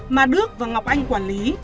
mà đức và ngọc anh quản lý